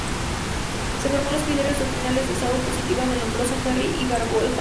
Se formó en los criterios doctrinales de Scuola Positiva de Lombroso, Ferri y Garofalo.